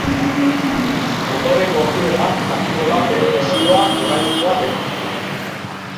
Ondorengo orduetan jakingo da bere lesioa norainokoa den.